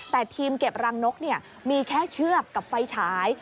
แต่ทีมเก็บรังนกมีแค่เชือกกับไฟฉาย